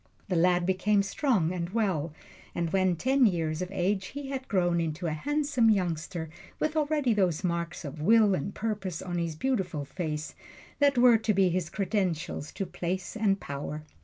The lad became strong and well, and when ten years of age he had grown into a handsome youngster with already those marks of will and purpose on his beautiful face that were to be his credentials to place and power.